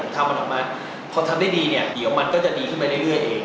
ถ้าเราทำมาพอทำได้ดีเนี่ยเดี๋ยวมันก็จะดีขึ้นไปได้เรื่อยแล้วเอง